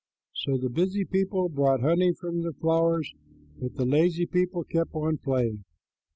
So the busy people brought honey from the flowers, but the lazy people kept on playing.